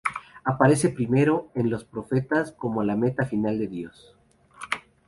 Aparece primero en los profetas como la meta final de Dios.